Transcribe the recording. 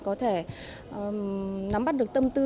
có thể nắm bắt được tâm tư